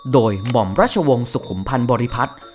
โดยหม่อมราชวงศ์สุขุมพันธ์บริพัฒน์